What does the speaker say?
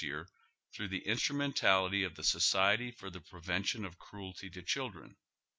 85 year tiiroagh the inBtrumentality of the Society for the Prevention of Cruelty to Children.